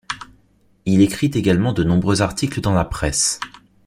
Il écrit également de nombreux articles dans la Presse.